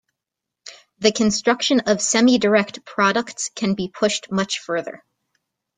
The construction of semidirect products can be pushed much further.